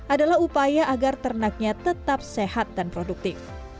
adalah upaya agar ternaknya tetap sehat dan produktif